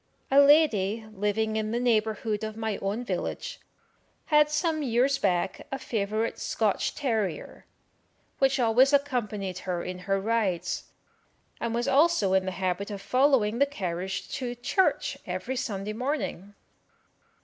"A lady,[Q] living in the neighbourhood of my own village, had some years back a favourite Scotch terrier, which always accompanied her in her rides, and was also in the habit of following the carriage to church every Sunday morning.